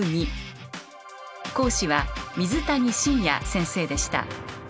講師は水谷信也先生でした。